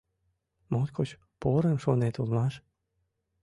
Моткоч порым шонет улмаш!